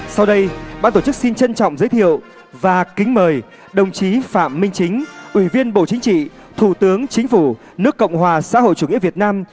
sau đây ban tổ chức xin trân trọng giới thiệu và kính mời đồng chí phạm minh chính ủy viên bộ chính trị thủ tướng chính phủ nước cộng hòa xã hội chủ nghĩa việt nam